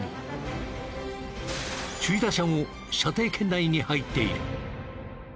首位打者も射程圏内に入っている。